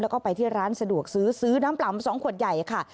แล้วก็ไปที่ร้านสะดวกซื้อซื้อน้ำปลามา๒ขวดใหญ่ค่ะ